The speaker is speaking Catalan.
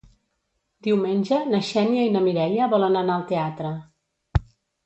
Diumenge na Xènia i na Mireia volen anar al teatre.